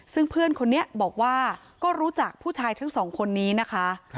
ซึ่งเพื่อนคนนี้บอกว่าก็รู้จักผู้ชายทั้งสองคนนี้นะคะ